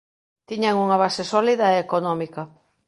Tiñan unha base sólida e económica.